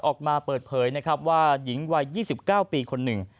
ออกมาเปิดเผยนะครับว่าหญิงวัย๒๙ปีคนหนึ่ง